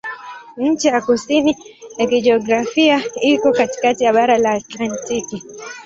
Ncha ya kusini ya kijiografia iko katikati ya bara la Antaktiki.